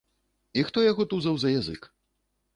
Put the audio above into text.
І хто яго тузаў за язык?